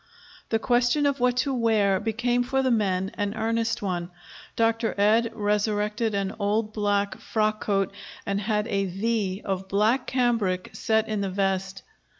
The question of what to wear became, for the men, an earnest one. Dr. Ed resurrected an old black frock coat and had a "V" of black cambric set in the vest.